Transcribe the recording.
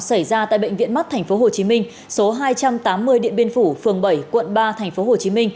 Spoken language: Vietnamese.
xảy ra tại bệnh viện mắt tp hcm số hai trăm tám mươi điện biên phủ phường bảy quận ba tp hcm